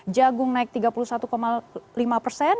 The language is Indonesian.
jagung naik tiga puluh satu lima persen